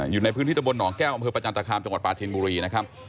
อยู่ในพื้นที่ตะบลหนองแก้วอำเภอประจันตคามจังหวัดปลาชินบุรีนะครับ